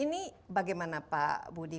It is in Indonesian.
ini bagaimana pak budi